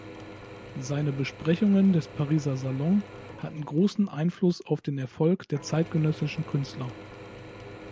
Seine Besprechungen des Pariser Salon hatten großen Einfluss auf den Erfolg der zeitgenössischen Künstler.